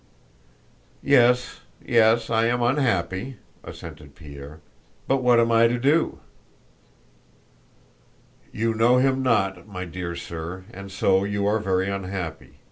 "Yes, yes, I am unhappy," assented Pierre. "But what am I to do?" "You know Him not, my dear sir, and so you are very unhappy.